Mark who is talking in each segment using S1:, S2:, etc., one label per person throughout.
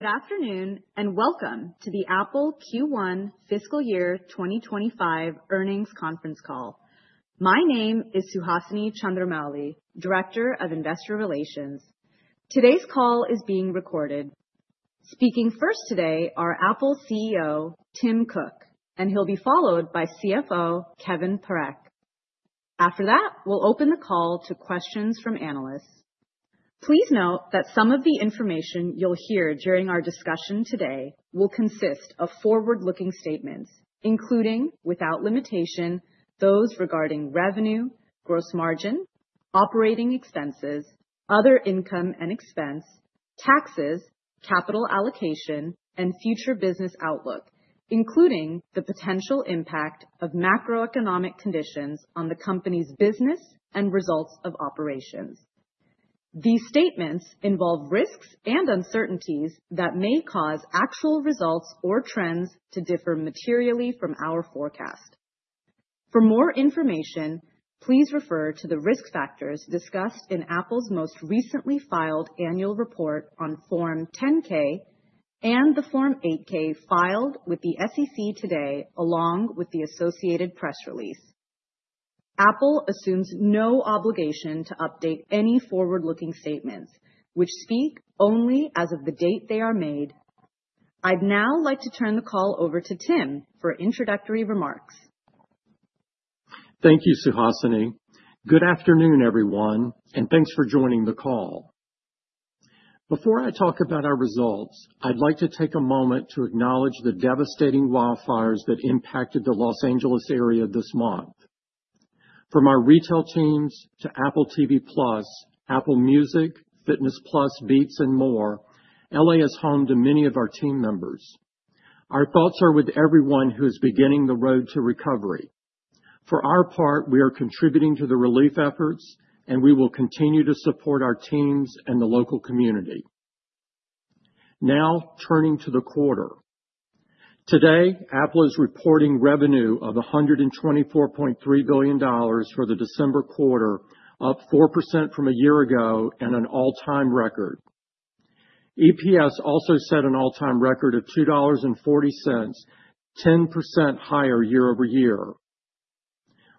S1: Good afternoon and welcome to the Apple Q1 FY 2025 earnings conference call. My name is Suhasini Chandramouli, Director of Investor Relations. Today's call is being recorded. Speaking first today are Apple CEO Tim Cook, and he'll be followed by CFO Kevan Parekh. After that, we'll open the call to questions from analysts. Please note that some of the information you'll hear during our discussion today will consist of forward-looking statements, including, without limitation, those regarding revenue, gross margin, operating expenses, other income and expense, taxes, capital allocation, and future business outlook, including the potential impact of macroeconomic conditions on the company's business and results of operations. These statements involve risks and uncertainties that may cause actual results or trends to differ materially from our forecast. For more information, please refer to the risk factors discussed in Apple's most recently filed annual report on Form 10-K and the Form 8-K filed with the SEC today, along with the associated press release. Apple assumes no obligation to update any forward-looking statements, which speak only as of the date they are made. I'd now like to turn the call over to Tim for introductory remarks.
S2: Thank you, Suhasini. Good afternoon, everyone, and thanks for joining the call. Before I talk about our results, I'd like to take a moment to acknowledge the devastating wildfires that impacted the Los Angeles area this month. From our retail teams to Apple TV+, Apple Music, Fitness+, Beats, and more, LA is home to many of our team members. Our thoughts are with everyone who is beginning the road to recovery. For our part, we are contributing to the relief efforts, and we will continue to support our teams and the local community. Now, turning to the quarter. Today, Apple is reporting revenue of $124.3 billion for the December quarter, up 4% from a year ago and an all-time record. EPS also set an all-time record of $2.40, 10% higher year-over-year.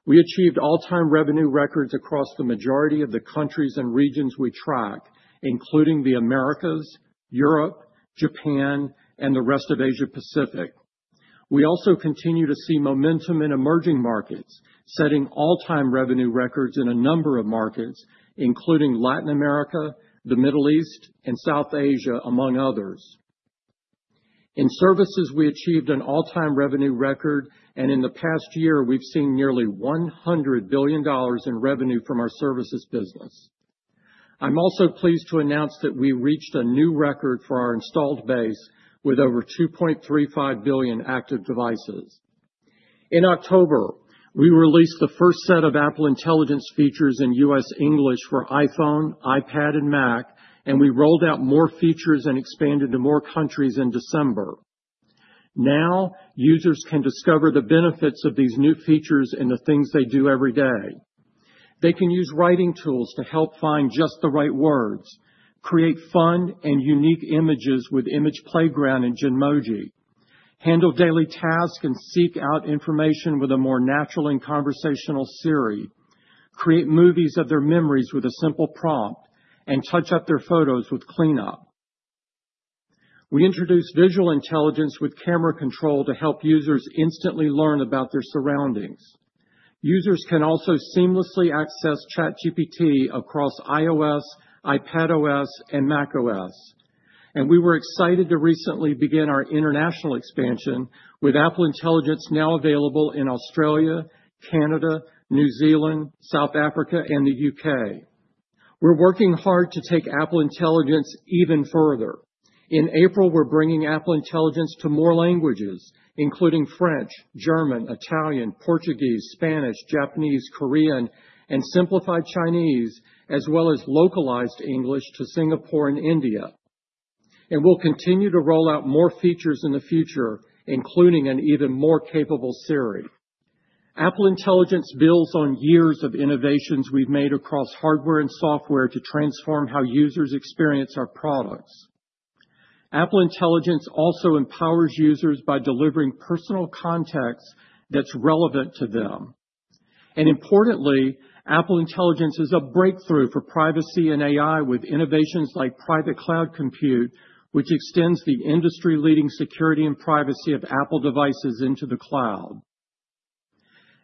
S2: We achieved all-time revenue records across the majority of the countries and regions we track, including the Americas, Europe, Japan, and the Rest of Asia-Pacific. We also continue to see momentum in emerging markets, setting all-time revenue records in a number of markets, including Latin America, the Middle East, and South Asia, among others. In services, we achieved an all-time revenue record, and in the past year, we've seen nearly $100 billion in revenue from our services business. I'm also pleased to announce that we reached a new record for our installed base, with over 2.35 billion active devices. In October, we released the first set of Apple Intelligence features in U.S. English for iPhone, iPad, and Mac, and we rolled out more features and expanded to more countries in December. Now, users can discover the benefits of these new features in the things they do every day. They can use Writing Tools to help find just the right words, create fun and unique images with Image Playground and Genmoji, handle daily tasks and seek out information with a more natural and conversational Siri, create movies of their memories with a simple prompt, and touch up their photos with Clean Up. We introduced Visual Intelligence with Camera Control to help users instantly learn about their surroundings. Users can also seamlessly access ChatGPT across iOS, iPadOS, and macOS, and we were excited to recently begin our international expansion, with Apple Intelligence now available in Australia, Canada, New Zealand, South Africa, and the UK. We're working hard to take Apple Intelligence even further. In April, we're bringing Apple Intelligence to more languages, including French, German, Italian, Portuguese, Spanish, Japanese, Korean, and Simplified Chinese, as well as localized English to Singapore and India. And we'll continue to roll out more features in the future, including an even more capable Siri. Apple Intelligence builds on years of innovations we've made across hardware and software to transform how users experience our products. Apple Intelligence also empowers users by delivering personal context that's relevant to them. And importantly, Apple Intelligence is a breakthrough for privacy and AI with innovations like Private Cloud Compute, which extends the industry-leading security and privacy of Apple devices into the cloud.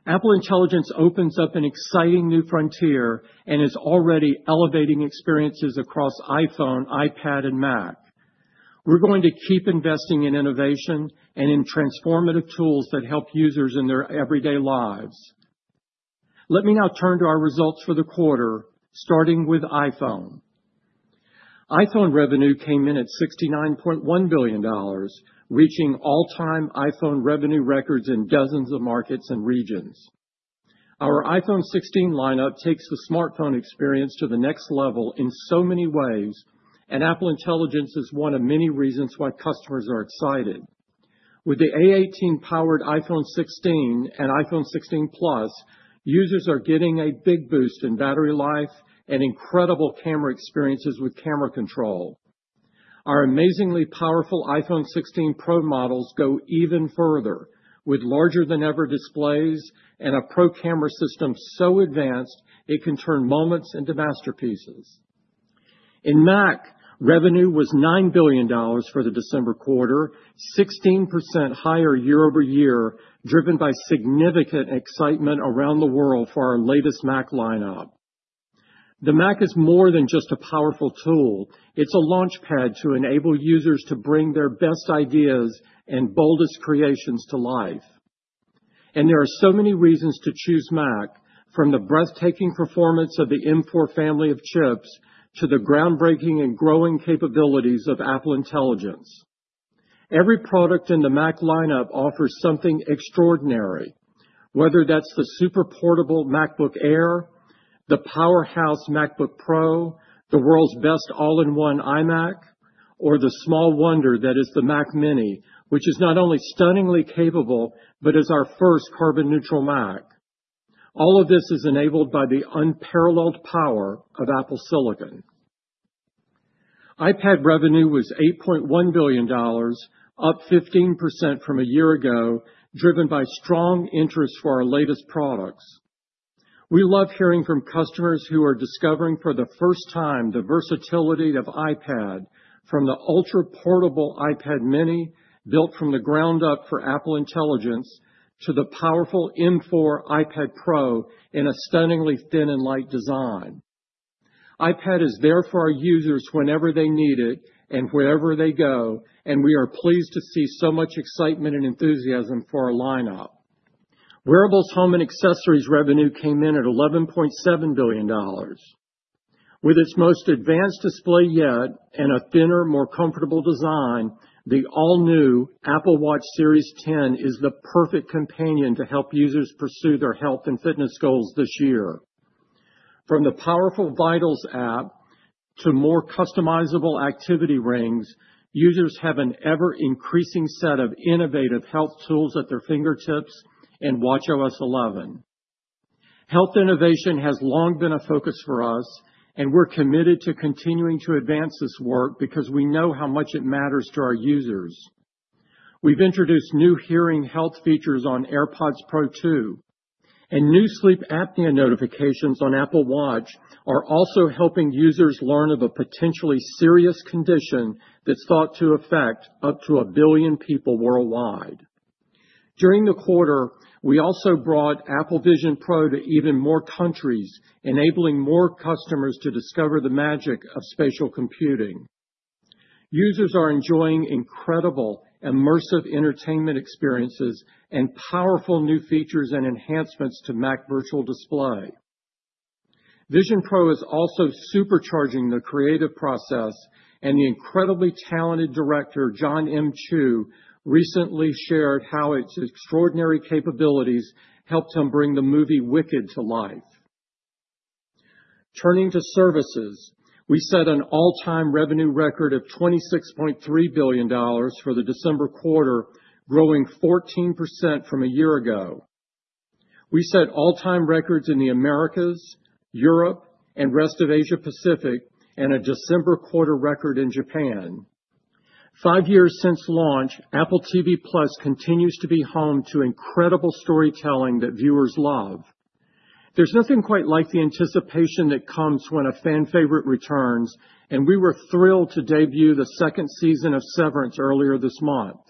S2: Apple Intelligence opens up an exciting new frontier and is already elevating experiences across iPhone, iPad, and Mac. We're going to keep investing in innovation and in transformative tools that help users in their everyday lives. Let me now turn to our results for the quarter, starting with iPhone. iPhone revenue came in at $69.1 billion, reaching all-time iPhone revenue records in dozens of markets and regions. Our iPhone 16 lineup takes the smartphone experience to the next level in so many ways, and Apple Intelligence is one of many reasons why customers are excited. With the A18-powered iPhone 16 and iPhone 16 Plus, users are getting a big boost in battery life and incredible camera experiences with camera control. Our amazingly powerful iPhone 16 Pro models go even further, with larger-than-ever displays and a Pro Camera system so advanced it can turn moments into masterpieces. In Mac, revenue was $9 billion for the December quarter, 16% higher year-over-year, driven by significant excitement around the world for our latest Mac lineup. The Mac is more than just a powerful tool. It's a launchpad to enable users to bring their best ideas and boldest creations to life. And there are so many reasons to choose Mac, from the breathtaking performance of the M4 family of chips to the groundbreaking and growing capabilities of Apple Intelligence. Every product in the Mac lineup offers something extraordinary, whether that's the super-portable MacBook Air, the powerhouse MacBook Pro, the world's best all-in-one iMac, or the small wonder that is the Mac mini, which is not only stunningly capable but is our first carbon-neutral Mac. All of this is enabled by the unparalleled power of Apple Silicon. iPad revenue was $8.1 billion, up 15% from a year ago, driven by strong interest for our latest products. We love hearing from customers who are discovering for the first time the versatility of iPad, from the ultra-portable iPad mini built from the ground up for Apple Intelligence to the powerful M4 iPad Pro in a stunningly thin and light design. iPad is there for our users whenever they need it and wherever they go, and we are pleased to see so much excitement and enthusiasm for our lineup. Wearables, home, and accessories revenue came in at $11.7 billion. With its most advanced display yet and a thinner, more comfortable design, the all-new Apple Watch Series 10 is the perfect companion to help users pursue their health and fitness goals this year. From the powerful Vitals app to more customizable activity rings, users have an ever-increasing set of innovative health tools at their fingertips and watchOS 11. Health innovation has long been a focus for us, and we're committed to continuing to advance this work because we know how much it matters to our users. We've introduced new hearing health features on AirPods Pro 2, and new Sleep Apnea Notifications on Apple Watch are also helping users learn of a potentially serious condition that's thought to affect up to a billion people worldwide. During the quarter, we also brought Apple Vision Pro to even more countries, enabling more customers to discover the magic of spatial computing. Users are enjoying incredible immersive entertainment experiences and powerful new features and enhancements to Mac Virtual Display. Vision Pro is also supercharging the creative process, and the incredibly talented director, Jon M. Chu, recently shared how its extraordinary capabilities helped him bring the movie Wicked to life. Turning to services, we set an all-time revenue record of $26.3 billion for the December quarter, growing 14% from a year ago. We set all-time records in the Americas, Europe, and rest of Asia-Pacific, and a December quarter record in Japan. Five years since launch, Apple TV+ continues to be home to incredible storytelling that viewers love. There's nothing quite like the anticipation that comes when a fan favorite returns, and we were thrilled to debut the second season of Severance earlier this month.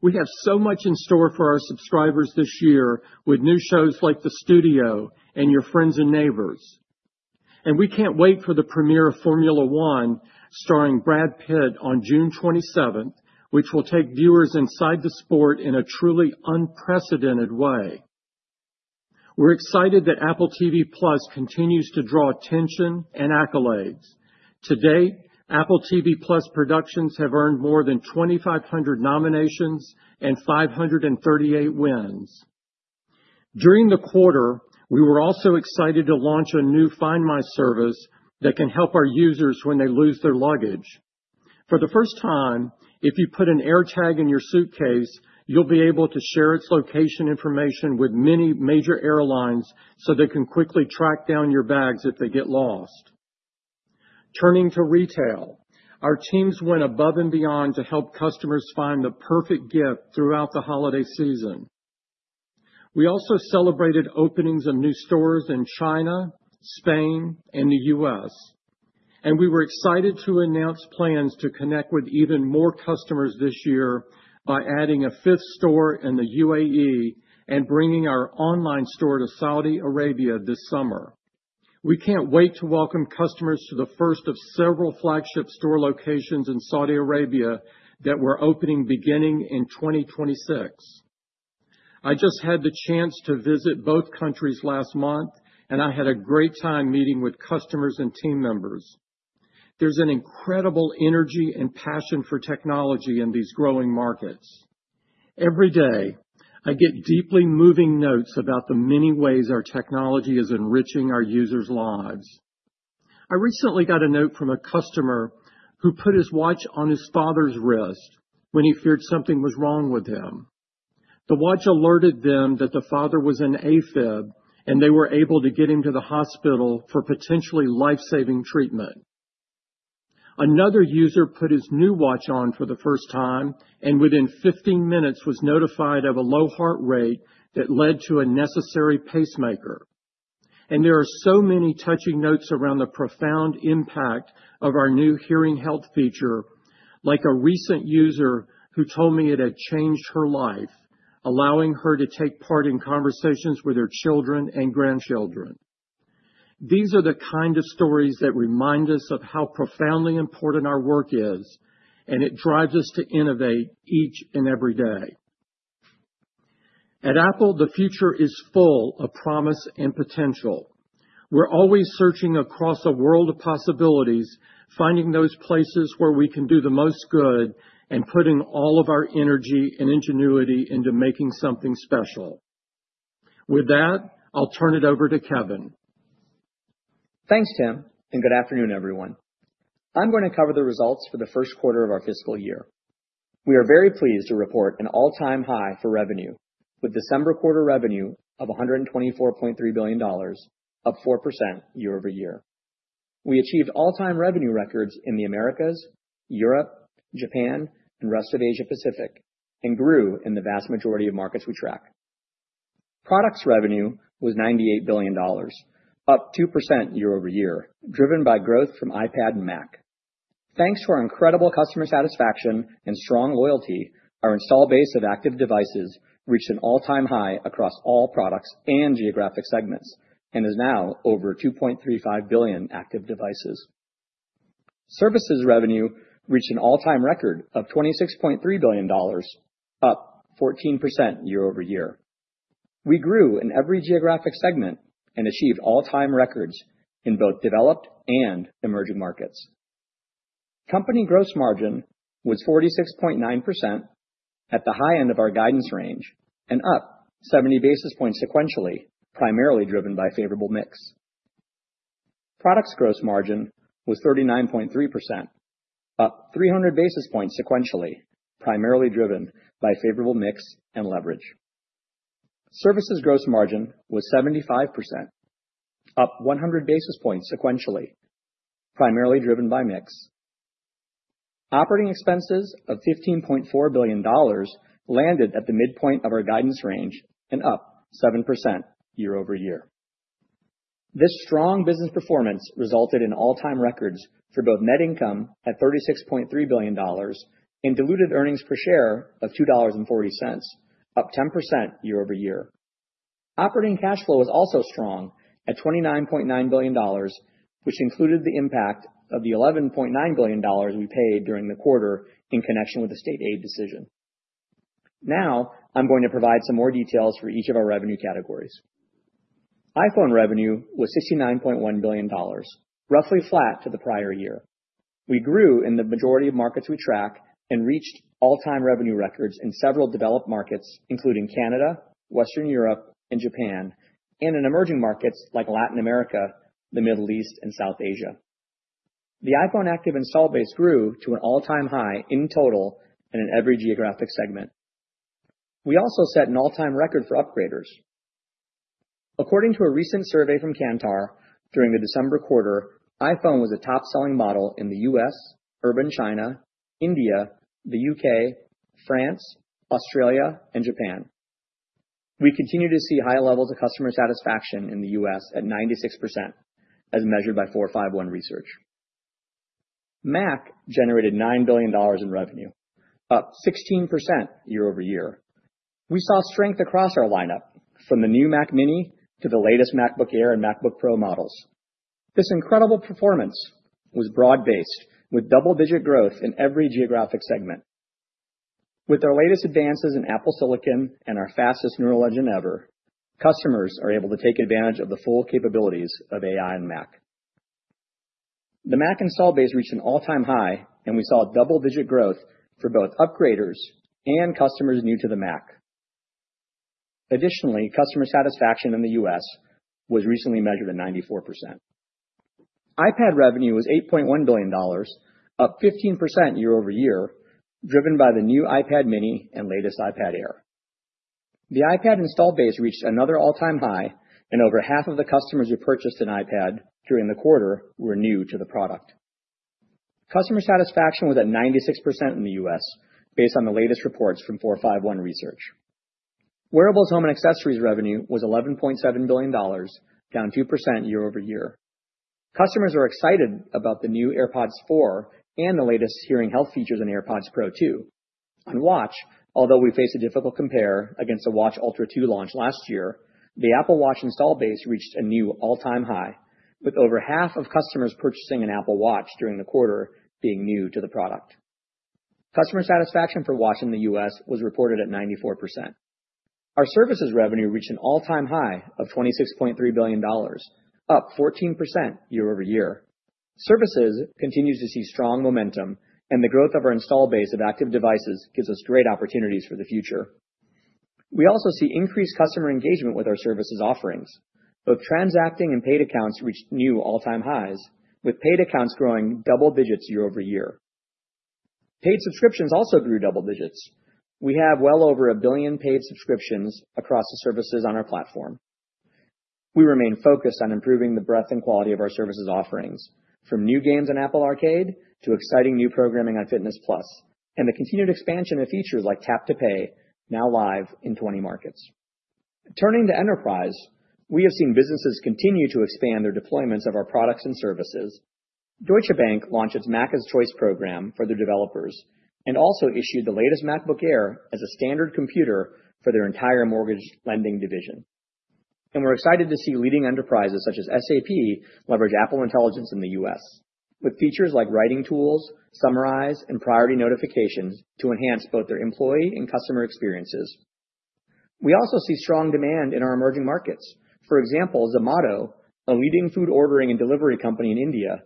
S2: We have so much in store for our subscribers this year, with new shows like The Studio and Your Friends and Neighbors. And we can't wait for the premiere of Formula 1, starring Brad Pitt on June 27, which will take viewers inside the sport in a truly unprecedented way. We're excited that Apple TV+ continues to draw attention and accolades. To date, Apple TV+ productions have earned more than 2,500 nominations and 538 wins. During the quarter, we were also excited to launch a new Find My service that can help our users when they lose their luggage. For the first time, if you put an AirTag in your suitcase, you'll be able to share its location information with many major airlines so they can quickly track down your bags if they get lost. Turning to retail, our teams went above and beyond to help customers find the perfect gift throughout the holiday season. We also celebrated openings of new stores in China, Spain, and the U.S. We were excited to announce plans to connect with even more customers this year by adding a fifth store in the UAE and bringing our online store to Saudi Arabia this summer. We can't wait to welcome customers to the first of several flagship store locations in Saudi Arabia that we're opening beginning in 2026. I just had the chance to visit both countries last month, and I had a great time meeting with customers and team members. There's an incredible energy and passion for technology in these growing markets. Every day, I get deeply moving notes about the many ways our technology is enriching our users' lives. I recently got a note from a customer who put his watch on his father's wrist when he feared something was wrong with him. The watch alerted them that the father was in AFib, and they were able to get him to the hospital for potentially lifesaving treatment. Another user put his new watch on for the first time and within 15 minutes was notified of a low heart rate that led to a necessary pacemaker, and there are so many touching notes around the profound impact of our new hearing health feature, like a recent user who told me it had changed her life, allowing her to take part in conversations with her children and grandchildren. These are the kind of stories that remind us of how profoundly important our work is, and it drives us to innovate each and every day. At Apple, the future is full of promise and potential. We're always searching across a world of possibilities, finding those places where we can do the most good and putting all of our energy and ingenuity into making something special. With that, I'll turn it over to Kevan.
S3: Thanks, Tim, and good afternoon, everyone. I'm going to cover the results for the first quarter of our fiscal year. We are very pleased to report an all-time high for revenue, with December quarter revenue of $124.3 billion, up 4% year-over-year. We achieved all-time revenue records in the Americas, Europe, Japan, and rest of Asia-Pacific, and grew in the vast majority of markets we track. Products revenue was $98 billion, up 2% year-over-year, driven by growth from iPad and Mac. Thanks to our incredible customer satisfaction and strong loyalty, our install base of active devices reached an all-time high across all products and geographic segments and is now over 2.35 billion active devices. Services revenue reached an all-time record of $26.3 billion, up 14% year-over-year. We grew in every geographic segment and achieved all-time records in both developed and emerging markets. Company gross margin was 46.9% at the high end of our guidance range and up 70 basis points sequentially, primarily driven by favorable mix. Products gross margin was 39.3%, up 300 basis points sequentially, primarily driven by favorable mix and leverage. Services gross margin was 75%, up 100 basis points sequentially, primarily driven by mix. Operating expenses of $15.4 billion landed at the midpoint of our guidance range and up 7% year-over-year. This strong business performance resulted in all-time records for both net income at $36.3 billion and diluted earnings per share of $2.40, up 10% year-over-year. Operating cash flow was also strong at $29.9 billion, which included the impact of the $11.9 billion we paid during the quarter in connection with the state aid decision. Now I'm going to provide some more details for each of our revenue categories. iPhone revenue was $69.1 billion, roughly flat to the prior year. We grew in the majority of markets we track and reached all-time revenue records in several developed markets, including Canada, Western Europe, and Japan, and in emerging markets like Latin America, the Middle East, and South Asia. The iPhone active install base grew to an all-time high in total and in every geographic segment. We also set an all-time record for upgraders. According to a recent survey from Kantar, during the December quarter, iPhone was a top-selling model in the U.S., urban China, India, the U.K., France, Australia, and Japan. We continue to see high levels of customer satisfaction in the U.S. at 96%, as measured by 451 Research. Mac generated $9 billion in revenue, up 16% year-over-year. We saw strength across our lineup, from the new Mac mini to the latest MacBook Air and MacBook Pro models. This incredible performance was broad-based, with double-digit growth in every geographic segment. With our latest advances in Apple Silicon and our fastest Neural Engine ever, customers are able to take advantage of the full capabilities of AI on Mac. The Mac install base reached an all-time high, and we saw double-digit growth for both upgraders and customers new to the Mac. Additionally, customer satisfaction in the U.S. was recently measured at 94%. iPad revenue was $8.1 billion, up 15% year-over-year, driven by the new iPad mini and latest iPad Air. The iPad install base reached another all-time high, and over half of the customers who purchased an iPad during the quarter were new to the product. Customer satisfaction was at 96% in the U.S., based on the latest reports from 451 Research. Wearables, home, and accessories revenue was $11.7 billion, down 2% year over year. Customers are excited about the new AirPods 4 and the latest hearing health features in AirPods Pro 2. On Watch, although we face a difficult compare against the Watch Ultra 2 launch last year, the Apple Watch install base reached a new all-time high, with over half of customers purchasing an Apple Watch during the quarter being new to the product. Customer satisfaction for Watch in the U.S. was reported at 94%. Our services revenue reached an all-time high of $26.3 billion, up 14% year-over-year. Services continues to see strong momentum, and the growth of our install base of active devices gives us great opportunities for the future. We also see increased customer engagement with our services offerings. Both transacting and paid accounts reached new all-time highs, with paid accounts growing double digits year-over-year. Paid subscriptions also grew double digits. We have well over a billion paid subscriptions across the services on our platform. We remain focused on improving the breadth and quality of our services offerings, from new games on Apple Arcade to exciting new programming on Fitness+, and the continued expansion of features like Tap to Pay, now live in 20 markets. Turning to enterprise, we have seen businesses continue to expand their deployments of our products and services. Deutsche Bank launched its Mac as Choice program for their developers and also issued the latest MacBook Air as a standard computer for their entire mortgage lending division, and we're excited to see leading enterprises such as SAP leverage Apple Intelligence in the U.S., with features like Writing Tools, Summarize, and Priority Notifications to enhance both their employee and customer experiences. We also see strong demand in our emerging markets. For example, Zomato, a leading food ordering and delivery company in India,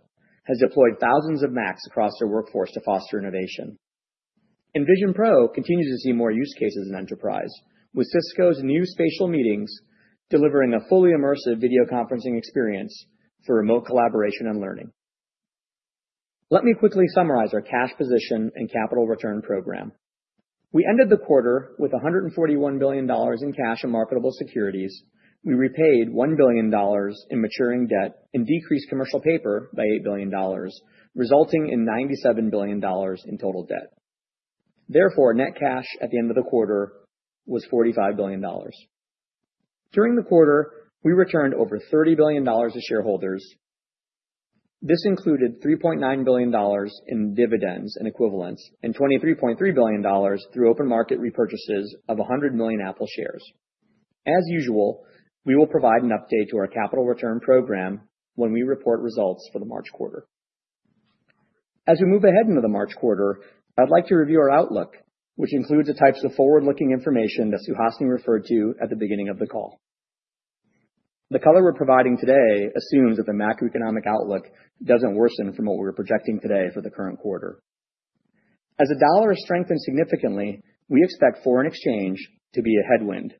S3: has deployed thousands of Macs across their workforce to foster innovation. Vision Pro continues to see more use cases in enterprise, with Cisco's new Spatial Meetings delivering a fully immersive video conferencing experience for remote collaboration and learning. Let me quickly Summarize our cash position and capital return program. We ended the quarter with $141 billion in cash and marketable securities. We repaid $1 billion in maturing debt and decreased commercial paper by $8 billion, resulting in $97 billion in total debt. Therefore, net cash at the end of the quarter was $45 billion. During the quarter, we returned over $30 billion to shareholders. This included $3.9 billion in dividends and equivalents and $23.3 billion through open market repurchases of 100 million Apple shares. As usual, we will provide an update to our capital return program when we report results for the March quarter. As we move ahead into the March quarter, I'd like to review our outlook, which includes the types of forward-looking information that Suhasini referred to at the beginning of the call. The color we're providing today assumes that the macroeconomic outlook doesn't worsen from what we were projecting today for the current quarter. As the dollar has strengthened significantly, we expect foreign exchange to be a headwind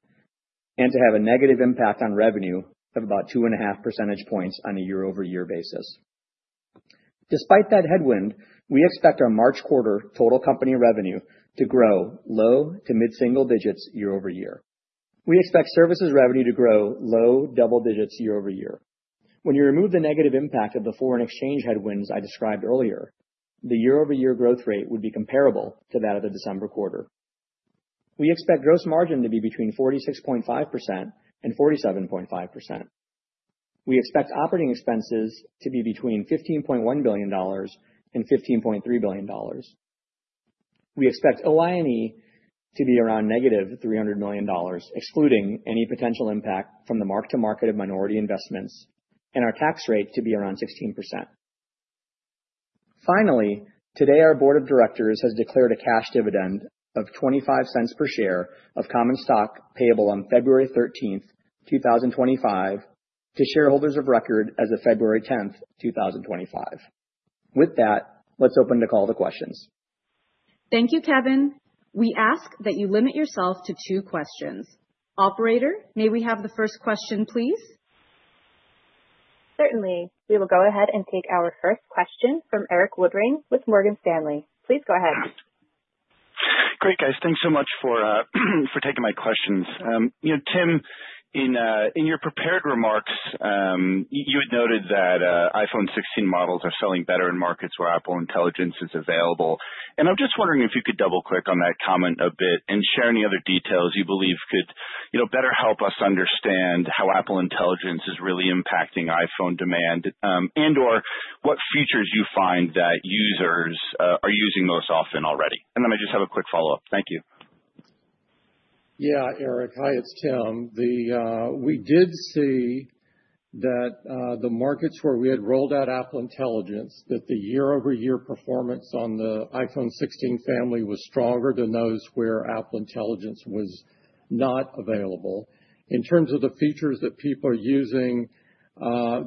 S3: and to have a negative impact on revenue of about 2.5 percentage points on a year-over-year basis. Despite that headwind, we expect our March quarter total company revenue to grow low to mid-single digits year-over-year. We expect services revenue to grow low double digits year-over-year. When you remove the negative impact of the foreign exchange headwinds I described earlier, the year-over-year growth rate would be comparable to that of the December quarter. We expect gross margin to be between 46.5% and 47.5%. We expect operating expenses to be between $15.1 billion and $15.3 billion. We expect OI&E to be around negative $300 million, excluding any potential impact from the mark-to-market of minority investments, and our tax rate to be around 16%. Finally, today, our board of directors has declared a cash dividend of $0.25 per share of common stock payable on February 13th, 2025, to shareholders of record as of February 10th, 2025. With that, let's open the call to questions.
S1: Thank you, Kevan. We ask that you limit yourself to two questions. Operator, may we have the first question, please?
S4: Certainly. We will go ahead and take our first question from Erik Woodring with Morgan Stanley. Please go ahead.
S5: Great, guys. Thanks so much for taking my questions. Tim, in your prepared remarks, you had noted that iPhone 16 models are selling better in markets where Apple Intelligence is available. And I'm just wondering if you could double-click on that comment a bit and share any other details you believe could better help us understand how Apple Intelligence is really impacting iPhone demand and/or what features you find that users are using most often already. And then I just have a quick follow-up. Thank you.
S2: Yeah, Erik. Hi, it's Tim. We did see that the markets where we had rolled out Apple Intelligence, that the year-over-year performance on the iPhone 16 family was stronger than those where Apple Intelligence was not available. In terms of the features that people are using,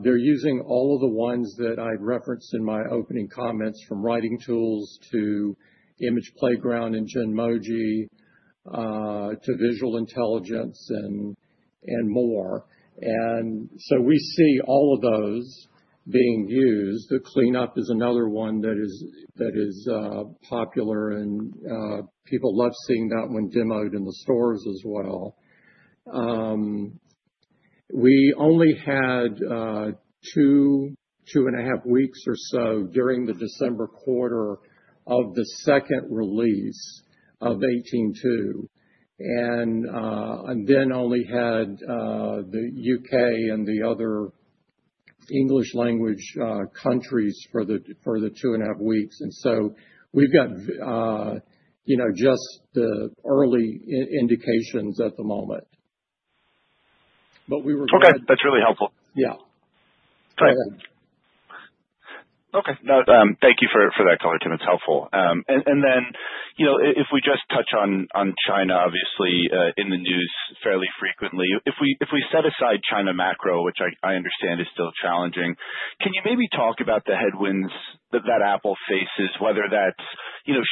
S2: they're using all of the ones that I referenced in my opening comments, from Writing Tools to Image Playground and Genmoji to Visual Intelligence and more. And so we see all of those being used. The Clean Up is another one that is popular, and people love seeing that one demoed in the stores as well. We only had two, two and a half weeks or so during the December quarter of the second release of 18.2, and then only had the U.K. and the other English-language countries for the two and a half weeks. And so we've got just the early indications at the moment. But we were going to.
S5: Okay. That's really helpful.
S2: Yeah.
S5: Okay. Okay. Thank you for that color, Tim. It's helpful. And then if we just touch on China, obviously, in the news fairly frequently. If we set aside China macro, which I understand is still challenging, can you maybe talk about the headwinds that Apple faces, whether that's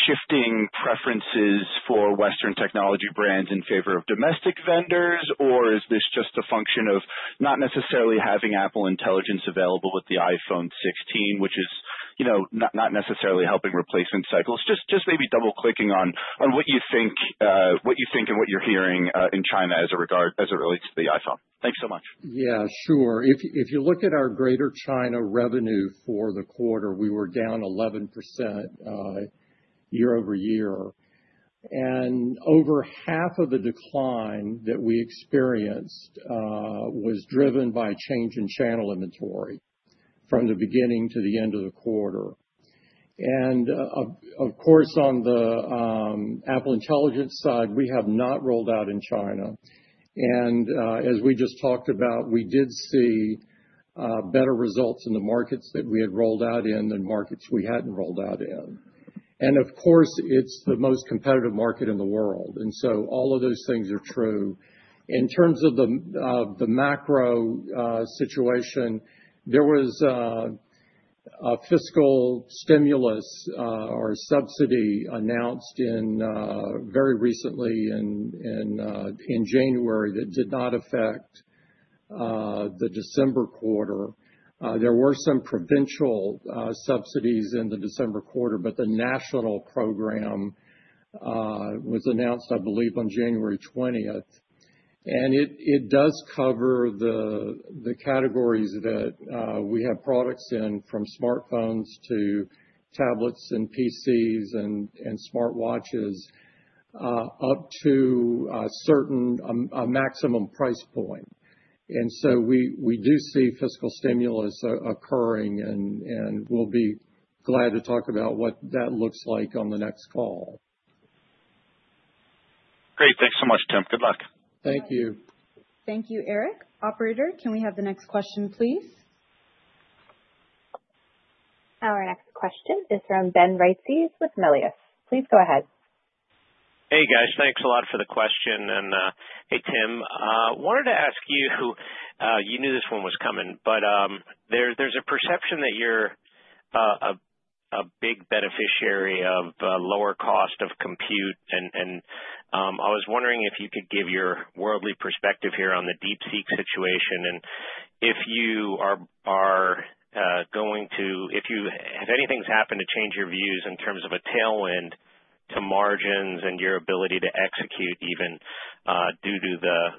S5: shifting preferences for Western technology brands in favor of domestic vendors, or is this just a function of not necessarily having Apple Intelligence available with the iPhone 16, which is not necessarily helping replacement cycles? Just maybe double-clicking on what you think and what you're hearing in China as it relates to the iPhone. Thanks so much.
S2: Yeah, sure. If you look at our Greater China revenue for the quarter, we were down 11% year-over-year. And over half of the decline that we experienced was driven by change in channel inventory from the beginning to the end of the quarter. And of course, on the Apple Intelligence side, we have not rolled out in China. And as we just talked about, we did see better results in the markets that we had rolled out in than markets we hadn't rolled out in. And of course, it's the most competitive market in the world. And so all of those things are true. In terms of the macro situation, there was a fiscal stimulus or subsidy announced very recently in January that did not affect the December quarter. There were some provincial subsidies in the December quarter, but the national program was announced, I believe, on January 20th. And it does cover the categories that we have products in, from smartphones to tablets and PCs and smartwatches, up to a maximum price point. And so we do see fiscal stimulus occurring, and we'll be glad to talk about what that looks like on the next call.
S5: Great. Thanks so much, Tim. Good luck.
S2: Thank you.
S1: Thank you, Erik. Operator, can we have the next question, please?
S4: Our next question is from Ben Reitzes with Melius. Please go ahead.
S6: Hey, guys. Thanks a lot for the question. And hey, Tim, wanted to ask you who you knew this one was coming, but there's a perception that you're a big beneficiary of lower cost of compute. And I was wondering if you could give your worldly perspective here on the DeepSeek situation and if you are going to, if anything's happened to change your views in terms of a tailwind to margins and your ability to execute even due to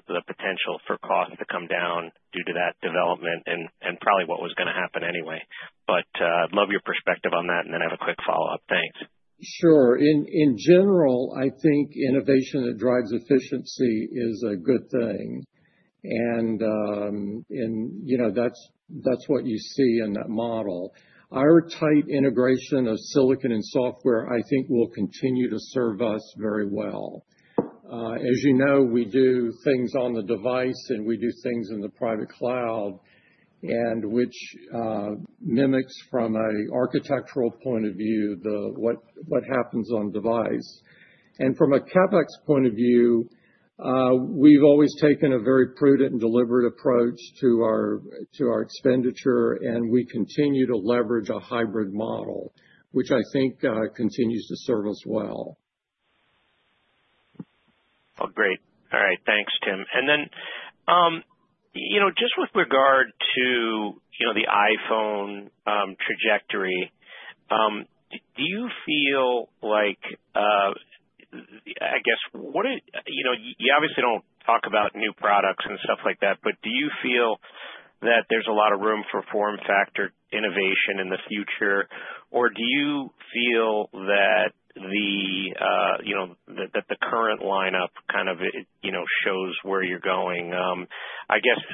S6: the potential for cost to come down due to that development and probably what was going to happen anyway. But I'd love your perspective on that and then have a quick follow-up. Thanks.
S2: Sure. In general, I think innovation that drives efficiency is a good thing. That's what you see in that model. Our tight integration of silicon and software, I think, will continue to serve us very well. As you know, we do things on the device, and we do things in the private cloud, which mimics from an architectural point of view what happens on device. From a CapEx point of view, we've always taken a very prudent and deliberate approach to our expenditure, and we continue to leverage a hybrid model, which I think continues to serve us well.
S6: Oh, great. All right. Thanks, Tim. And then just with regard to the iPhone trajectory, do you feel like, I guess, you obviously don't talk about new products and stuff like that, but do you feel that there's a lot of room for form factor innovation in the future, or do you feel that the current lineup kind of shows where you're going? I guess,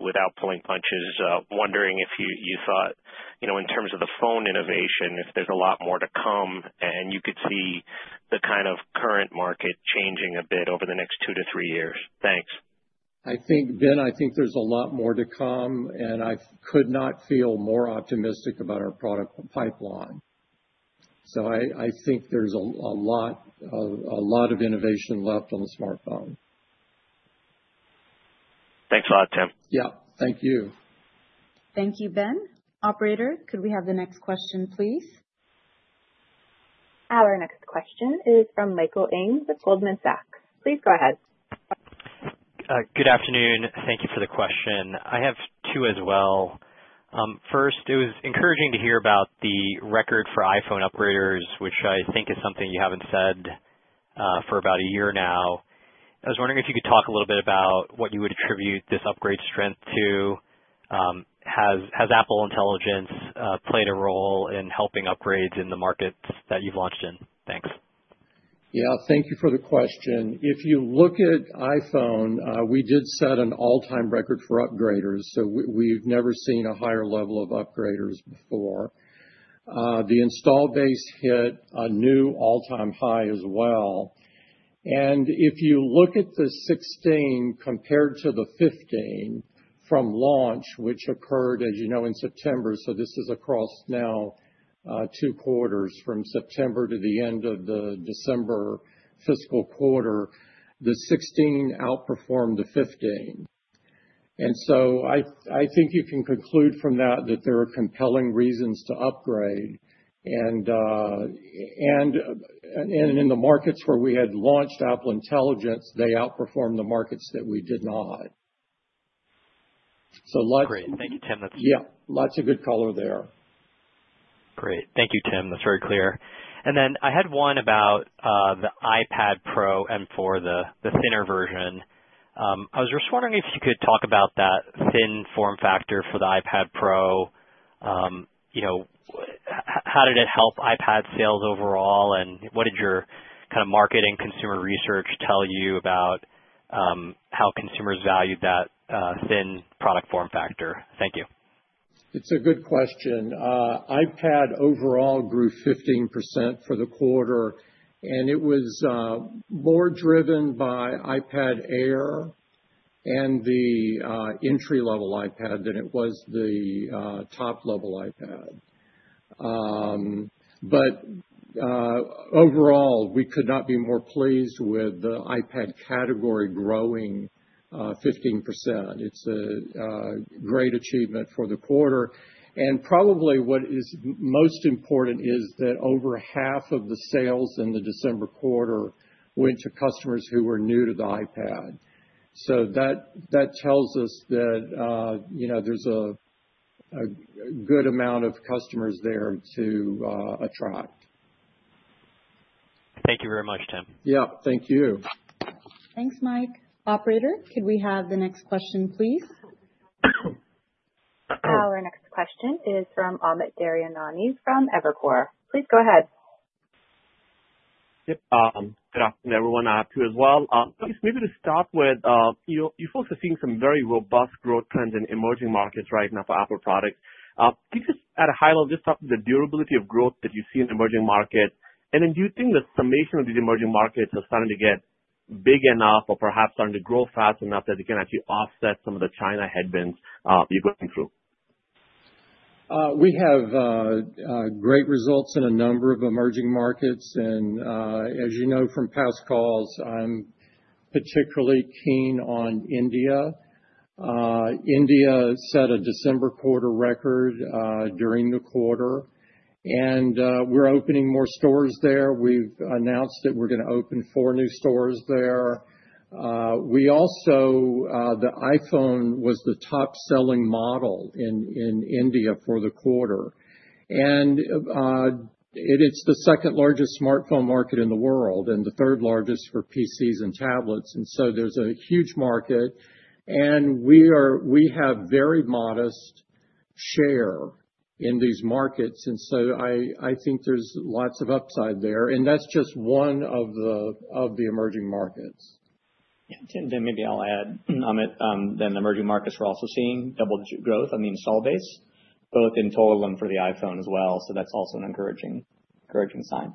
S6: without pulling punches, wondering if you thought, in terms of the phone innovation, if there's a lot more to come and you could see the kind of current market changing a bit over the next two to three years. Thanks.
S2: I think, Ben, I think there's a lot more to come, and I could not feel more optimistic about our product pipeline. So I think there's a lot of innovation left on the smartphone.
S6: Thanks a lot, Tim.
S2: Yeah. Thank you.
S1: Thank you, Ben. Operator, could we have the next question, please?
S4: Our next question is from Michael Ng with Goldman Sachs. Please go ahead.
S7: Good afternoon. Thank you for the question. I have two as well. First, it was encouraging to hear about the record for iPhone upgraders, which I think is something you haven't said for about a year now. I was wondering if you could talk a little bit about what you would attribute this upgrade strength to. Has Apple Intelligence played a role in helping upgrades in the markets that you've launched in? Thanks.
S2: Yeah. Thank you for the question. If you look at iPhone, we did set an all-time record for upgraders, so we've never seen a higher level of upgraders before. The install base hit a new all-time high as well. And if you look at the 16 compared to the 15 from launch, which occurred, as you know, in September, so this is across now two quarters, from September to the end of the December fiscal quarter, the 16 outperformed the 15. And so I think you can conclude from that that there are compelling reasons to upgrade. And in the markets where we had launched Apple Intelligence, they outperformed the markets that we did not.
S7: Great. Thank you, Tim.
S2: Yeah. Lots of good color there.
S7: That's very clear. And then I had one about the iPad Pro M4, the thinner version. I was just wondering if you could talk about that thin form factor for the iPad Pro. How did it help iPad sales overall, and what did your kind of market and consumer research tell you about how consumers valued that thin product form factor? Thank you.
S2: It's a good question. iPad overall grew 15% for the quarter, and it was more driven by iPad Air and the entry-level iPad than it was the top-level iPad. But overall, we could not be more pleased with the iPad category growing 15%. It's a great achievement for the quarter. And probably what is most important is that over half of the sales in the December quarter went to customers who were new to the iPad. So that tells us that there's a good amount of customers there to attract.
S7: Thank you very much, Tim.
S2: Yeah. Thank you.
S1: Thanks, Mike. Operator, could we have the next question, please?
S4: Our next question is from Amit Daryanani from Evercore. Please go ahead.
S8: Yep. Good afternoon, everyone. I'm happy as well. Maybe to start with, you folks are seeing some very robust growth trends in emerging markets right now for Apple products. Can you just, at a high level, just talk about the durability of growth that you see in emerging markets? And then do you think the summation of these emerging markets are starting to get big enough or perhaps starting to grow fast enough that they can actually offset some of the China headwinds you're going through?
S2: We have great results in a number of emerging markets. And as you know from past calls, I'm particularly keen on India. India set a December quarter record during the quarter, and we're opening more stores there. We've announced that we're going to open four new stores there. The iPhone was the top-selling model in India for the quarter. It's the second largest smartphone market in the world and the third largest for PCs and tablets. And so there's a huge market, and we have a very modest share in these markets. And so I think there's lots of upside there. And that's just one of the emerging markets.
S3: Yeah. Tim, then maybe I'll add, Amit, that in emerging markets, we're also seeing double-digit growth on the install base, both in total and for the iPhone as well. So that's also an encouraging sign.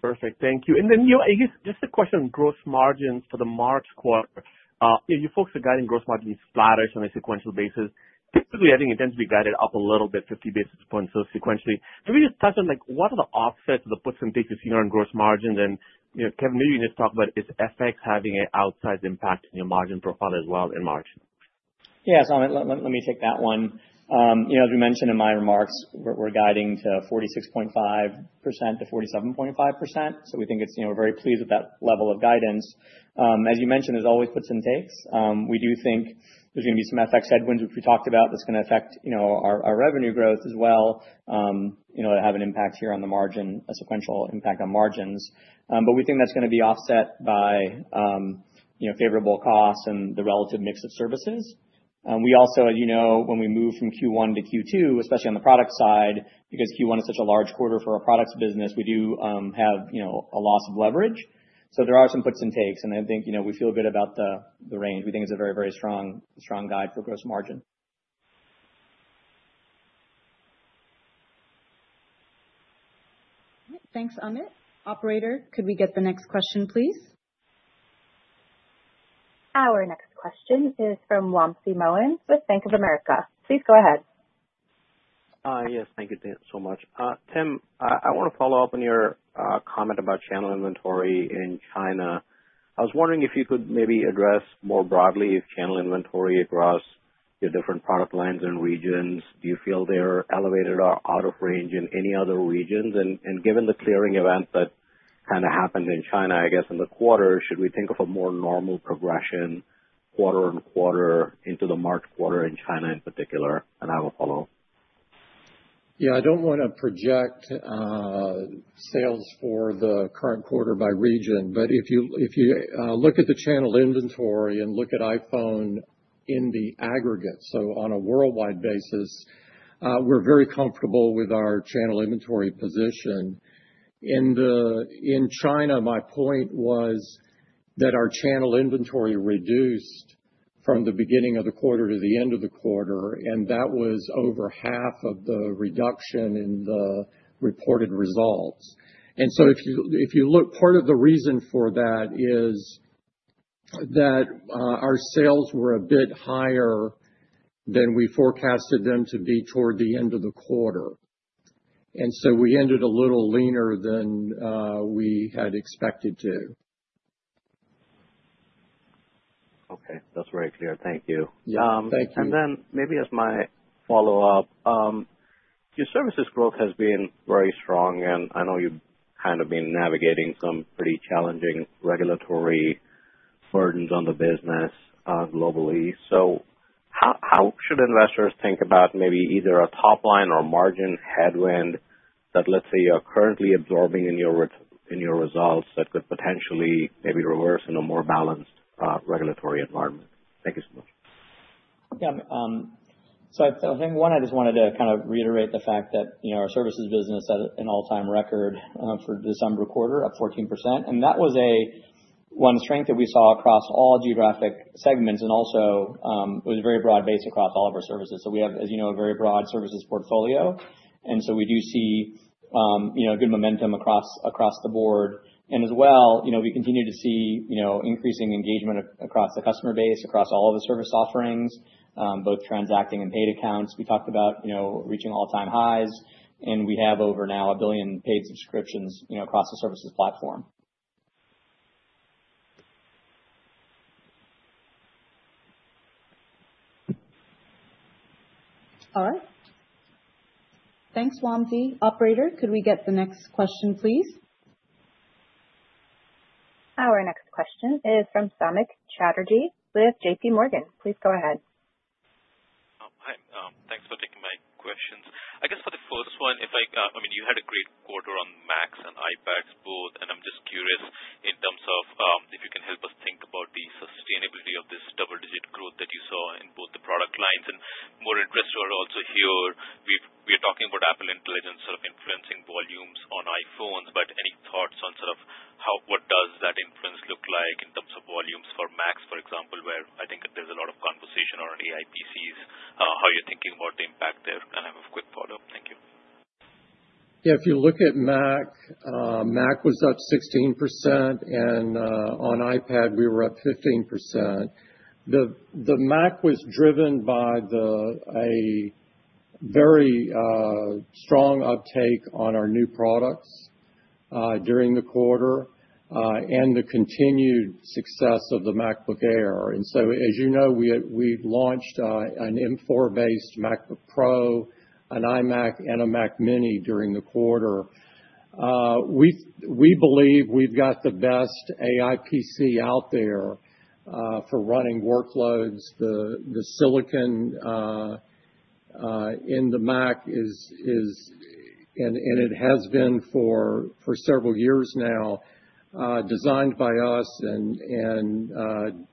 S8: Perfect. Thank you. And then just a question on gross margins for the March quarter. You folks are guiding gross margins to be flatish on a sequential basis. Typically, I think it tends to be guided up a little bit, 50 basis points or sequentially. Can we just touch on what are the offsets of the puts and takes you see on gross margins? And Kevan, maybe you can just talk about its effects having an outsized impact on your margin profile as well in March.
S3: Yes. Let me take that one. As we mentioned in my remarks, we're guiding to 46.5%-47.5%. So we think we're very pleased with that level of guidance. As you mentioned, there's always puts and takes. We do think there's going to be some FX headwinds, which we talked about. That's going to affect our revenue growth as well, have an impact here on the margin, a sequential impact on margins. But we think that's going to be offset by favorable costs and the relative mix of services. We also, as you know, when we move from Q1 to Q2, especially on the product side, because Q1 is such a large quarter for our products business, we do have a loss of leverage. So there are some puts and takes, and I think we feel good about the range. We think it's a very, very strong guide for gross margin.
S1: All right. Thanks, Amit. Operator, could we get the next question, please?
S4: Our next question is from Wamsi Mohan with Bank of America. Please go ahead.
S9: Yes. Thank you so much. Tim, I want to follow up on your comment about channel inventory in China. I was wondering if you could maybe address more broadly if channel inventory across your different product lines and regions, do you feel they're elevated or out of range in any other regions? And given the clearing event that kind of happened in China, I guess, in the quarter, should we think of a more normal progression quarter on quarter into the March quarter in China in particular? And I will follow.
S2: Yeah. I don't want to project sales for the current quarter by region, but if you look at the channel inventory and look at iPhone in the aggregate, so on a worldwide basis, we're very comfortable with our channel inventory position. In China, my point was that our channel inventory reduced from the beginning of the quarter to the end of the quarter, and that was over half of the reduction in the reported results. And so if you look, part of the reason for that is that our sales were a bit higher than we forecasted them to be toward the end of the quarter. And so we ended a little leaner than we had expected to.
S9: Okay. That's very clear. Thank you.
S2: Yeah. Thank you.
S9: And then maybe as my follow-up, your services growth has been very strong, and I know you've kind of been navigating some pretty challenging regulatory burdens on the business globally. So how should investors think about maybe either a top-line or margin headwind that, let's say, you're currently absorbing in your results that could potentially maybe reverse in a more balanced regulatory environment? Thank you so much.
S2: Yeah. So I think one, I just wanted to kind of reiterate the fact that our services business set an all-time record for December quarter of 14%. And that was one strength that we saw across all geographic segments, and also it was a very broad base across all of our services. So we have, as you know, a very broad services portfolio. And so we do see good momentum across the board. And as well, we continue to see increasing engagement across the customer base, across all of the service offerings, both transacting and paid accounts. We talked about reaching all-time highs, and we have over now a billion paid subscriptions across the services platform.
S1: All right. Thanks, Wamsi. Operator, could we get the next question, please?
S4: Our next question is from Samik Chatterjee with J.P. Morgan. Please go ahead.
S10: Hi. Thanks for taking my questions. I guess for the first one, I mean, you had a great quarter on Mac and iPad both, and I'm just curious in terms of if you can help us think about the sustainability of this double-digit growth that you saw in both the product lines. And more interested are also here. We're talking about Apple Intelligence sort of influencing volumes on iPhones, but any thoughts on sort of what does that influence look like in terms of volumes for Mac, for example, where I think there's a lot of conversation on AI PCs? How are you thinking about the impact there? And I have a quick follow-up. Thank you.
S2: Yeah. If you look at Mac, Mac was up 16%, and on iPad, we were up 15%. The Mac was driven by a very strong uptake on our new products during the quarter and the continued success of the MacBook Air. And so, as you know, we launched an M4-based MacBook Pro, an iMac, and a Mac Mini during the quarter. We believe we've got the best AI PC out there for running workloads. The silicon in the Mac is, and it has been for several years now, designed by us and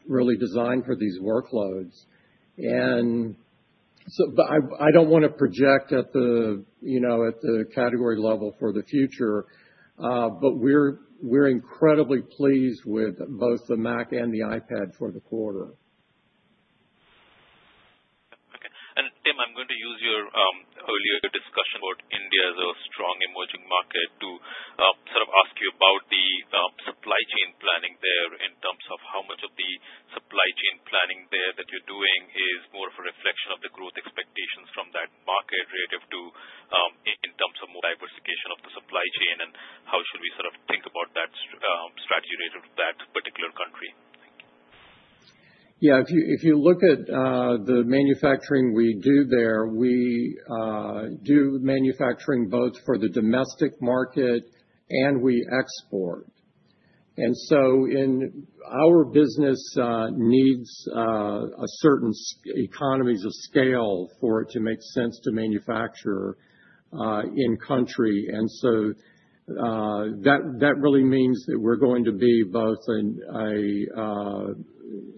S2: really designed for these workloads, and so I don't want to project at the category level for the future, but we're incredibly pleased with both the Mac and the iPad for the quarter.
S10: Okay, and Tim, I'm going to use your earlier discussion about India as a strong emerging market to sort of ask you about the supply chain planning there in terms of how much of the supply chain planning there that you're doing is more of a reflection of the growth expectations from that market relative to in terms of more diversification of the supply chain and how should we sort of think about that strategy relative to that particular country?
S2: Yeah. If you look at the manufacturing we do there, we do manufacturing both for the domestic market and we export. And so our business needs a certain economies of scale for it to make sense to manufacture in-country. And so that really means that we're going to be both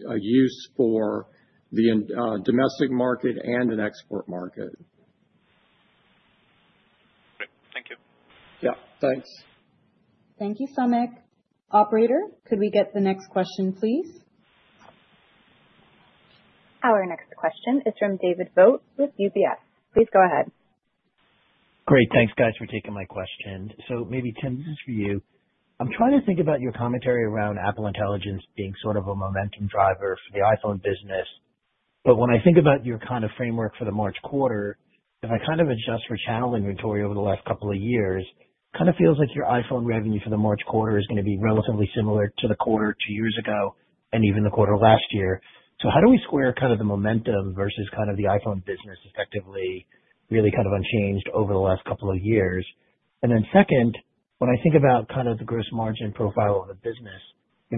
S2: a use for the domestic market and an export market.
S10: Great. Thank you.
S2: Yeah. Thanks.
S1: Thank you, Samik. Operator, could we get the next question, please?
S4: Our next question is from David Vogt with UBS. Please go ahead.
S11: Great. Thanks, guys, for taking my question. So maybe, Tim, this is for you. I'm trying to think about your commentary around Apple Intelligence being sort of a momentum driver for the iPhone business. When I think about your kind of framework for the March quarter, if I kind of adjust for channel inventory over the last couple of years, it kind of feels like your iPhone revenue for the March quarter is going to be relatively similar to the quarter two years ago and even the quarter last year. How do we square kind of the momentum versus kind of the iPhone business effectively really kind of unchanged over the last couple of years? Second, when I think about kind of the gross margin profile of the business,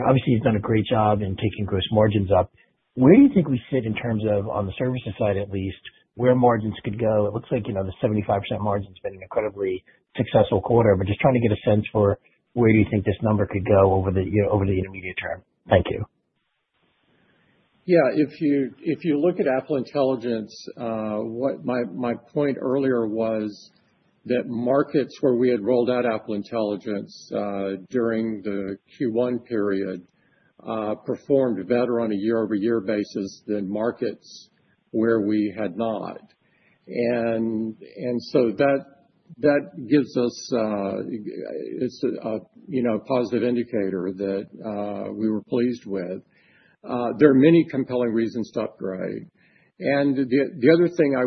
S11: obviously, you've done a great job in taking gross margins up. Where do you think we sit in terms of, on the services side at least, where margins could go? It looks like the 75% margin has been an incredibly successful quarter, but just trying to get a sense for where do you think this number could go over the intermediate term? Thank you.
S2: Yeah. If you look at Apple Intelligence, my point earlier was that markets where we had rolled out Apple Intelligence during the Q1 period performed better on a year-over-year basis than markets where we had not. And so that gives us a positive indicator that we were pleased with. There are many compelling reasons to upgrade. And the other thing I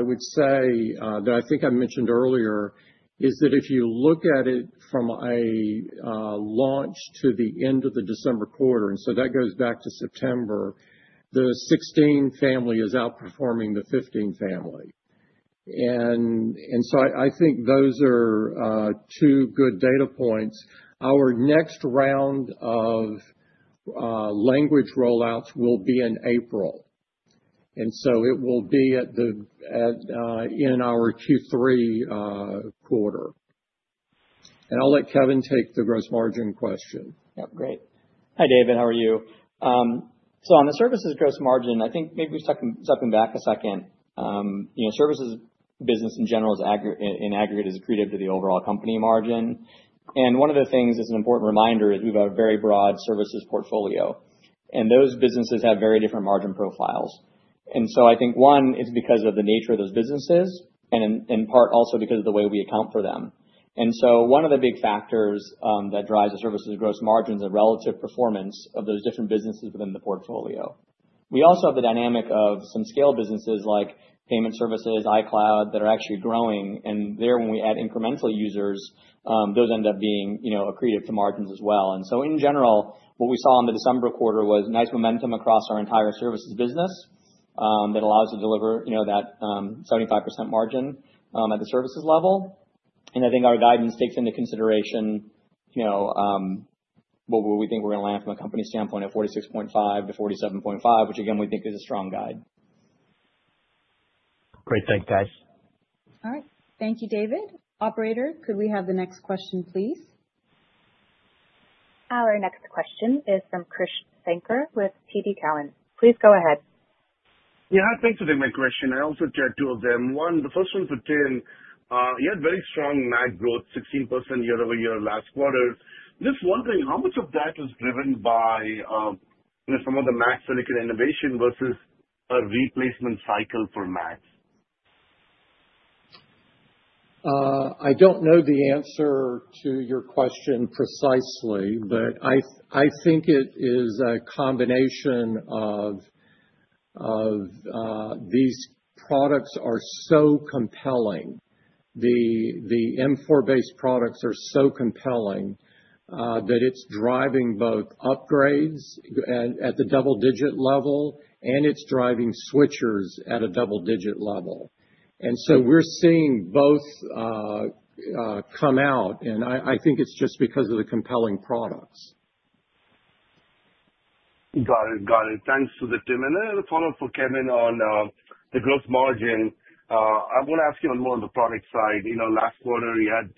S2: would say that I think I mentioned earlier is that if you look at it from a launch to the end of the December quarter, and so that goes back to September, the 16 family is outperforming the 15 family. And so I think those are two good data points. Our next round of language rollouts will be in April, and so it will be in our Q3 quarter, and I'll let Kevan take the gross margin question.
S3: Yep. Great. Hi, David. How are you? So on the services gross margin, I think maybe we should step back a second. Services business in general in aggregate is accretive to the overall company margin, and one of the things, as an important reminder, is we have a very broad services portfolio. And those businesses have very different margin profiles, and so I think, one, it's because of the nature of those businesses and in part also because of the way we account for them. And so one of the big factors that drives the services gross margins are relative performance of those different businesses within the portfolio. We also have the dynamic of some scale businesses like payment services, iCloud that are actually growing. And there, when we add incremental users, those end up being accretive to margins as well. And so in general, what we saw in the December quarter was nice momentum across our entire services business that allows us to deliver that 75% margin at the services level. And I think our guidance takes into consideration what we think we're going to land from a company standpoint at 46.5%-47.5%, which, again, we think is a strong guide.
S11: Great. Thanks, guys.
S1: All right. Thank you, David. Operator, could we have the next question, please?
S4: Our next question is from Krish Sankar with TD Cowen. Please go ahead.
S12: Yeah. Thanks for the invitation. I also share two of them. One, the first one is for Tim. You had very strong Mac growth, 16% year-over-year last quarter. Just wondering how much of that was driven by some of the Mac silicon innovation versus a replacement cycle for Mac?
S2: I don't know the answer to your question precisely, but I think it is a combination of these products are so compelling. The M4-based products are so compelling that it's driving both upgrades at the double-digit level and it's driving switchers at a double-digit level. And so we're seeing both come out, and I think it's just because of the compelling products.
S12: Got it. Got it. Thanks, Tim. And a follow-up for Kevan on the gross margin. I want to ask you a little more on the product side. Last quarter, you had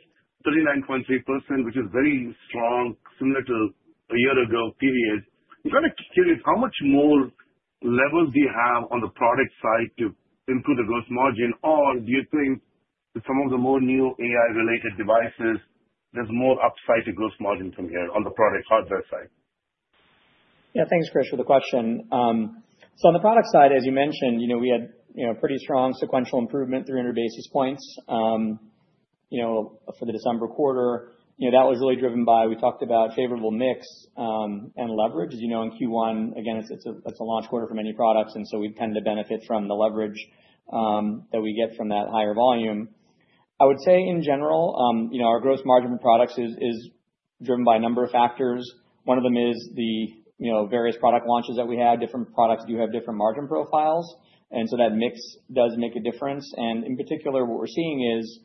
S12: 39.3%, which is very strong, similar to a year-ago period. I'm kind of curious how much more levels do you have on the product side to improve the gross margin, or do you think with some of the more new AI-related devices, there's more upside to gross margin from here on the product hardware side?
S3: Yeah. Thanks, Krish, for the question. So on the product side, as you mentioned, we had pretty strong sequential improvement through 100 basis points for the December quarter. That was really driven by we talked about favorable mix and leverage. As you know, in Q1, again, it's a launch quarter for many products, and so we tend to benefit from the leverage that we get from that higher volume. I would say, in general, our gross margin for products is driven by a number of factors. One of them is the various product launches that we had. Different products do have different margin profiles, and so that mix does make a difference, and in particular, what we're seeing is,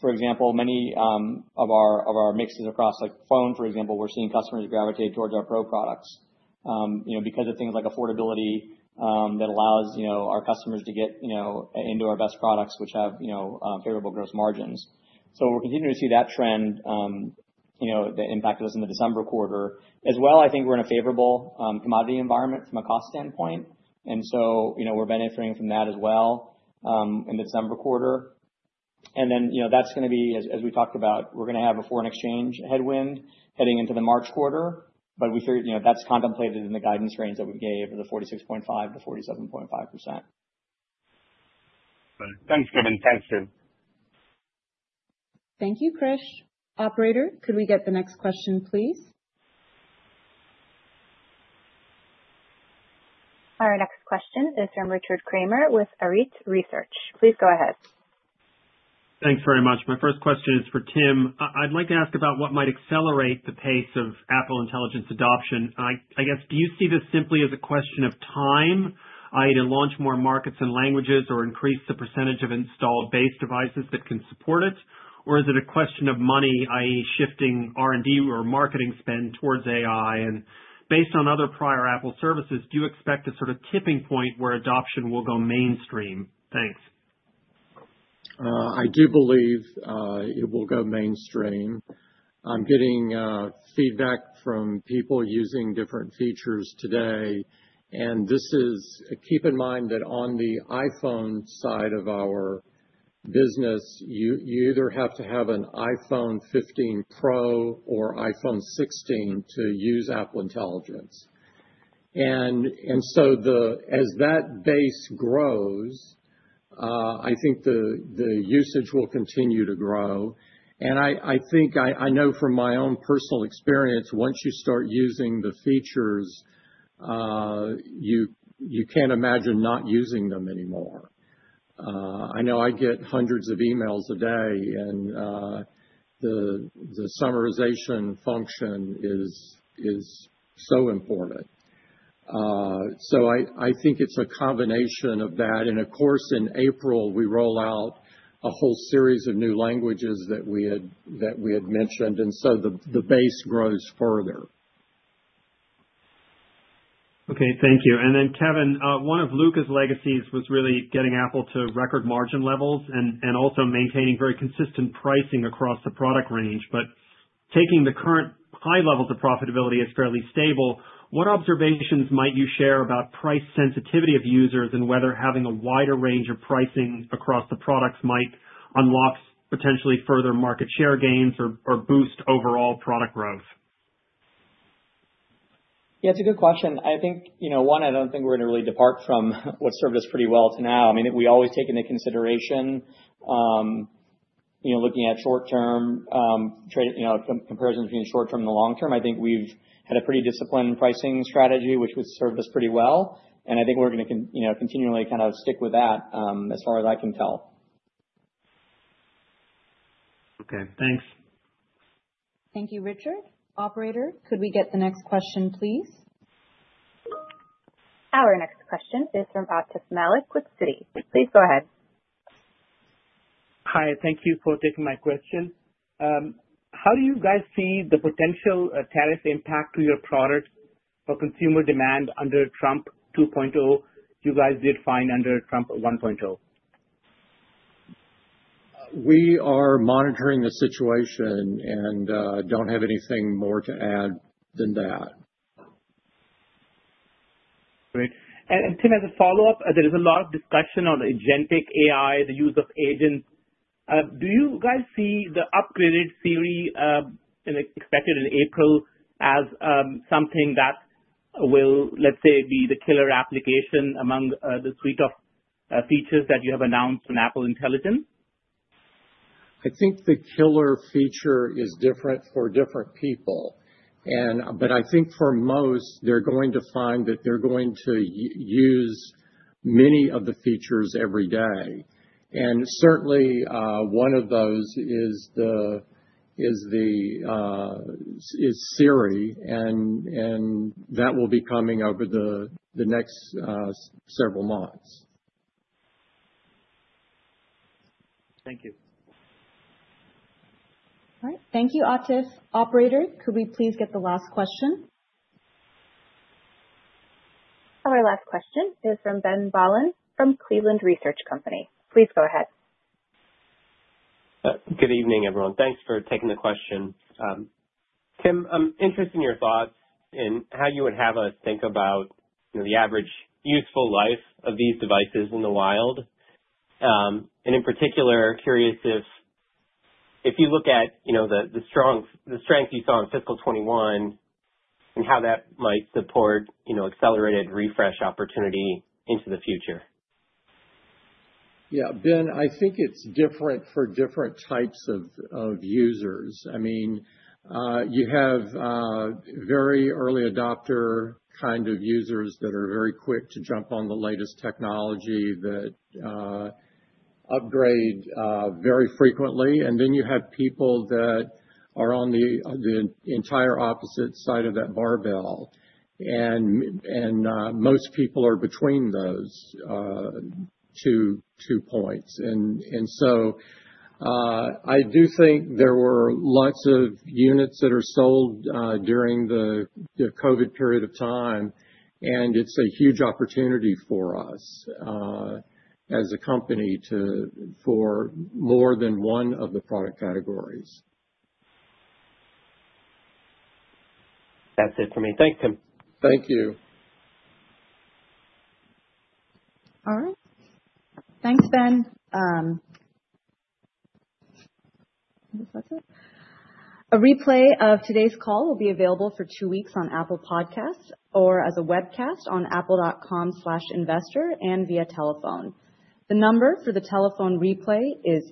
S3: for example, many of our mixes across phone, for example, we're seeing customers gravitate towards our Pro products because of things like affordability that allows our customers to get into our best products, which have favorable gross margins, so we're continuing to see that trend that impacted us in the December quarter, as well, I think we're in a favorable commodity environment from a cost standpoint, and so we're benefiting from that as well in the December quarter, and then that's going to be, as we talked about, we're going to have a foreign exchange headwind heading into the March quarter, but that's contemplated in the guidance range that we gave of the 46.5%-47.5%.
S12: Thanks, Kevan. Thanks, Tim.
S1: Thank you, Krish. Operator, could we get the next question, please?
S4: Our next question is from Richard Kramer with Arete Research. Please go ahead.
S13: Thanks very much. My first question is for Tim. I'd like to ask about what might accelerate the pace of Apple Intelligence adoption. I guess, do you see this simply as a question of time, i.e., to launch more markets and languages or increase the percentage of installed base devices that can support it? Or is it a question of money, i.e., shifting R&D or marketing spend towards AI? And based on other prior Apple services, do you expect a sort of tipping point where adoption will go mainstream? Thanks.
S2: I do believe it will go mainstream. I'm getting feedback from people using different features today. Keep in mind that on the iPhone side of our business, you either have to have an iPhone 15 Pro or iPhone 16 to use Apple Intelligence. So as that base grows, I think the usage will continue to grow. I know from my own personal experience, once you start using the features, you can't imagine not using them anymore. I know I get hundreds of emails a day, and the summarization function is so important. I think it's a combination of that. Of course, in April, we roll out a whole series of new languages that we had mentioned, and so the base grows further.
S13: Okay. Thank you. Then, Kevan, one of Luca's legacies was really getting Apple to record margin levels and also maintaining very consistent pricing across the product range. But taking the current high levels of profitability as fairly stable, what observations might you share about price sensitivity of users and whether having a wider range of pricing across the products might unlock potentially further market share gains or boost overall product growth?
S3: Yeah. It's a good question. I think, one, I don't think we're going to really depart from what's served us pretty well to now. I mean, we always take into consideration looking at short-term comparisons between the short-term and the long-term. I think we've had a pretty disciplined pricing strategy, which would serve us pretty well. And I think we're going to continually kind of stick with that as far as I can tell.
S13: Okay. Thanks.
S1: Thank you, Richard. Operator, could we get the next question, please?
S4: Our next question is from Atif Malik with Citi. Please go ahead.
S14: Hi. Thank you for taking my question. How do you guys see the potential tariff impact to your product for consumer demand under Trump 2.0? You guys did fine under Trump 1.0.
S2: We are monitoring the situation and don't have anything more to add than that.
S14: Great. And Tim, as a follow-up, there is a lot of discussion on agentic AI, the use of agents. Do you guys see the upgraded Siri expected in April as something that will, let's say, be the killer application among the suite of features that you have announced in Apple Intelligence?
S2: I think the killer feature is different for different people. But I think for most, they're going to find that they're going to use many of the features every day. And certainly, one of those is Siri, and that will be coming over the next several months.
S14: Thank you.
S1: All right. Thank you, Atif. Operator, could we please get the last question?
S4: Our last question is from Ben Bollin from Cleveland Research Company. Please go ahead.
S15: Good evening, everyone. Thanks for taking the question. Tim, I'm interested in your thoughts in how you would have us think about the average useful life of these devices in the wild. And in particular, curious if you look at the strength you saw in fiscal 2021 and how that might support accelerated refresh opportunity into the future.
S2: Yeah. Ben, I think it's different for different types of users. I mean, you have very early adopter kind of users that are very quick to jump on the latest technology that upgrade very frequently. And then you have people that are on the entire opposite side of that barbell. And most people are between those two points. And so I do think there were lots of units that are sold during the COVID period of time, and it's a huge opportunity for us as a company for more than one of the product categories.
S15: That's it for me. Thanks, Tim.
S2: Thank you.
S1: All right. Thanks, Ben. I guess that's it. A replay of today's call will be available for two weeks on Apple Podcasts or as a webcast on apple.com/investor and via telephone. The number for the telephone replay is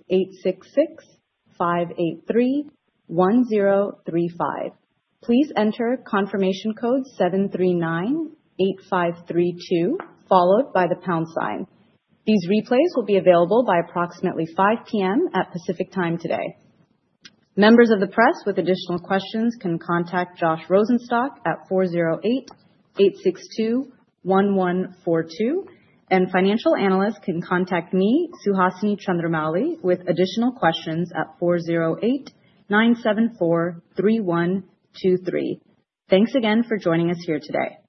S1: 866-583-1035. Please enter confirmation code 7398532 followed by the pound sign. These replays will be available by approximately 5:00 P.M. Pacific Time today. Members of the press with additional questions can contact Josh Rosenstock at 408-862-1142. And financial analysts can contact me, Suhasini Chandramouli, with additional questions at 408-974-3123. Thanks again for joining us here today.